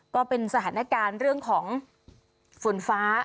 ก็เป็นสถานการณ์เรื่องของฝนฟ้า